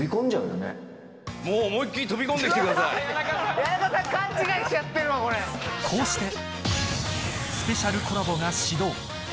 もう思いっ切り飛び込んでき谷中さん、勘違いしちゃってこうして、スペシャルコラボが始動。